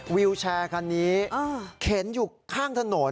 วิวแชร์คันนี้เข็นอยู่ข้างถนน